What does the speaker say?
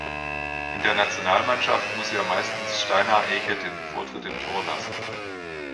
In der Nationalmannschaft muss er meistens Steinar Ege den Vortritt im Tor lassen.